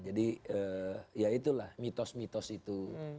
jadi ya itu lah mitos mitos itu